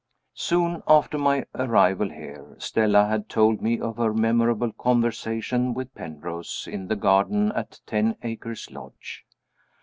Soon after my arrival here, Stella had told me of her memorable conversation with Penrose in the garden at Ten Acres Lodge.